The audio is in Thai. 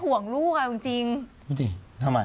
ห่วงลูกผมจริงทำไม